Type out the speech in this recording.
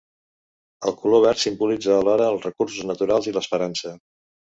El color verd simbolitza alhora els recursos naturals i l'esperança.